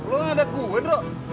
lo nggak ada keben nro